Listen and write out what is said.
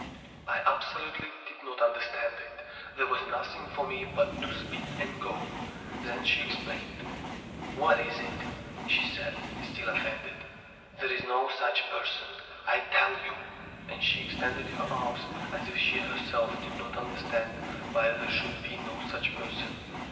I absolutely did not understand it. There was nothing for me but to spit and go. Then she explained. "What is it?" she said, still offended. "There's no such person, I tell you," and she extended her arms as if she herself did not understand why there should be no such person.